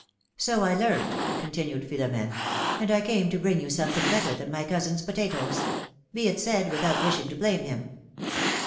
''So I learned," continued Philom^ne; "and I came to bring you something better than my cousin's potatoes — be it said without wishing to blame him."